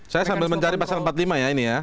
saya sambil mencari pasal empat puluh lima ya ini ya